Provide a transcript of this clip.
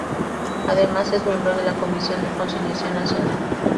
Además, es miembro de la Comisión de Conciliación Nacional